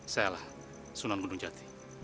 saya lah sunan gunung jati